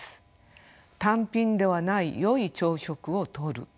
単品ではないよい朝食をとる。